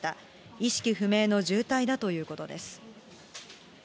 意識不明の重体だということです。